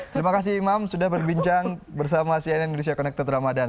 terima kasih imam sudah berbincang bersama cnn indonesia connected ramadan